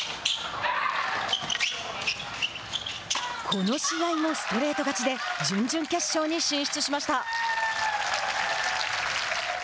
この試合もストレート勝ちで準々決勝に進出しました。